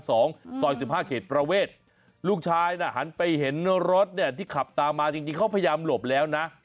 ซอย๑๕เขตประเวทลูกชายน่ะหันไปเห็นรถเนี่ยที่ขับตามมาจริงเขาพยายามหลบแล้วนะ